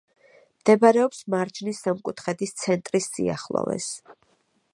მდებარეობს მარჯნის სამკუთხედის ცენტრის სიახლოვეს.